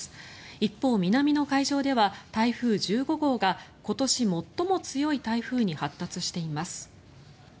一方、南の海上では台風１５号が今年最も強い台風に発達しています。